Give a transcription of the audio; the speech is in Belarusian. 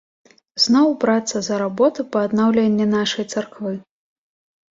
Зноў брацца за работу па аднаўленні нашай царквы.